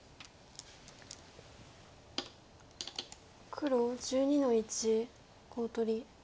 黒１２の一コウ取り。